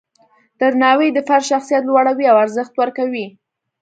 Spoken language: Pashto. درناوی د فرد شخصیت لوړوي او ارزښت ورکوي.